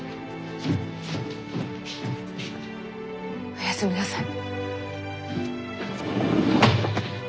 おやすみなさい。